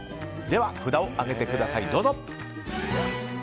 では、札を上げてください。